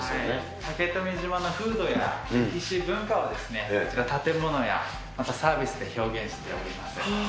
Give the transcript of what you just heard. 竹富島の風土や歴史、文化を、建物やまたサービスで表現しております。